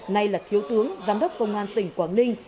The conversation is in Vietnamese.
nay là thiếu tướng giám đốc công an tỉnh quảng ninh